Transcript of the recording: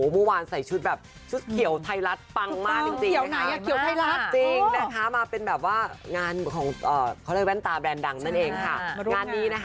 มัววานใส่ชุดแบบชุดเขียวไทร